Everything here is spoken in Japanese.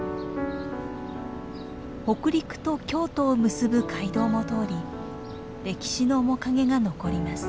北陸と京都を結ぶ街道も通り歴史の面影が残ります。